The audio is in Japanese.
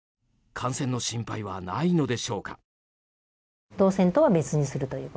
感染の心配はないのでしょうか。